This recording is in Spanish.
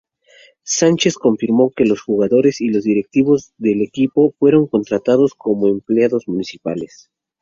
Sánchez confirmó que los jugadores y directivos del equipo fueron contratados como empleados municipales.